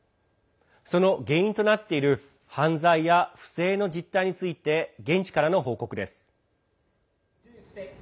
その原因となっている犯罪や不正の実態について現地からの報告です。